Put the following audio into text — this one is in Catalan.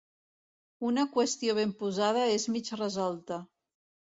Una qüestió ben posada és mig resolta.